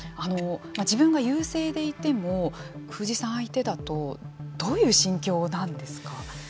自分が優勢でいても藤井さん相手だとどういう心境なんですか。